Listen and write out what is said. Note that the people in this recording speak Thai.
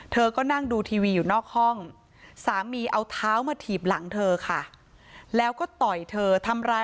เธอก็นั่งดูทีวีอยู่นอกห้องสามีเอาเท้ามาถีบหลังเธอค่ะ